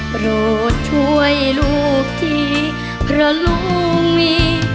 โปรดช่วยลูกทีเพราะลูกมี